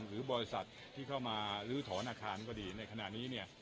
หรือบริษัทที่เข้ามาลื้อถอนอาคารก็ดีในขณะนี้เนี่ย